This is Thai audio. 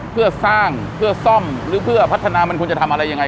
เพื่อสร้างเพื่อซ่อมหรือเพื่อพัฒนามันควรจะทำอะไรยังไง